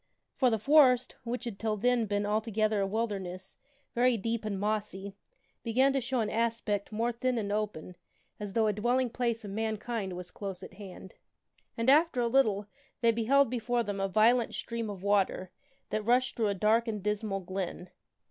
For the forest, which had till then been altogether a wilderness, very deep and mossy, began to show an aspect more thin and open, as though a dwelling place of mankind was close at hand. And, after a little, they beheld before them a violent stream of water, that rushed through a dark and dismal glen.